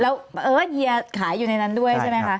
แล้วเฮียขายอยู่ในนั้นด้วยใช่ไหมคะ